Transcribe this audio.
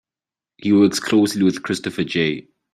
He works closely with Christopher J.